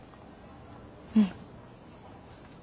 うん。